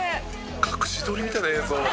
「隠し撮りみたいな映像」